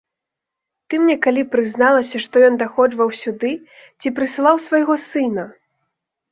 Ты мне калі прызналася, што ён даходжваў сюды ці прысылаў свайго сына?